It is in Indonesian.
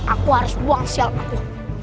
aku harus buang sel aku